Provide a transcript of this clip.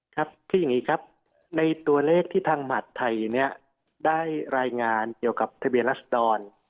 ครับที่นี้ครับในตัวเลขที่ทางมหัฐไทยได้รายงานเกี่ยวกับทะเบียนลักษณ์ดอน